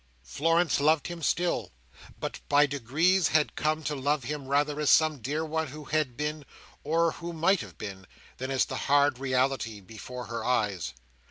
Florence loved him still, but, by degrees, had come to love him rather as some dear one who had been, or who might have been, than as the hard reality before her eyes.